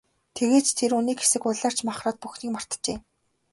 Тэгээд ч тэр үү, нэг хэсэг улайрч махраад бүхнийг мартжээ.